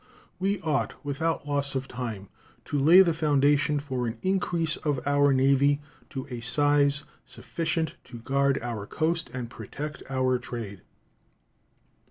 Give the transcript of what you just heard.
We ought without loss of time to lay the foundation for an increase of our Navy to a size sufficient to guard our coast and protect our trade.